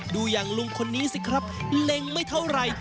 ดูอย่างลุงคนนี้สิครับเล็งไม่เท่าไหร่